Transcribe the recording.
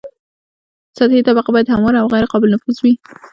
سطحي طبقه باید همواره او غیر قابل نفوذ وي